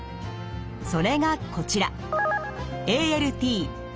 それがこちら。